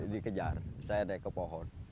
dikejar saya naik ke pohon